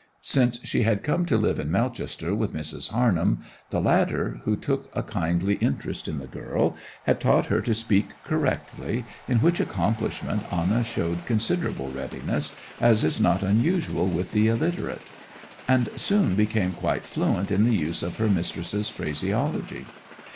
Since she had come to live at Melchester with Mrs. Harnham, the latter, who took a kindly interest in the girl, had taught her to speak correctly, in which accomplishment Anna showed considerable readiness, as is not unusual with the illiterate; and soon became quite fluent in the use of her mistress's phraseology.